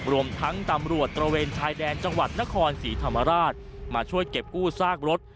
รวมทั้งตำรวจตระเวนชายแดนจังหวัดนครศรีธรรมราชมาช่วยเก็บกู้ซากรถ